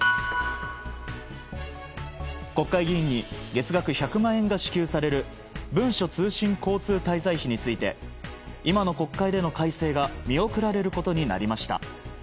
国会議員に月額１００万円が支給される文書通信交通滞在費について今の国会での改正が見送られることになりました。